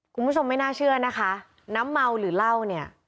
คุณผู้ชมไม่น่าเชื่อนะคะน้ำเมาหรือเหล้าเนี่ย